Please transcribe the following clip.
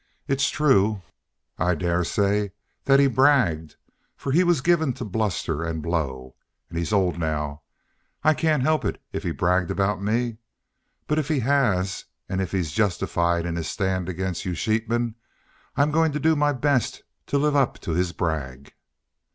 It's true, I dare say, that he bragged, for he was given to bluster an' blow. An' he's old now. I can't help it if he bragged about me. But if he has, an' if he's justified in his stand against you sheepmen, I'm goin' to do my best to live up to his brag."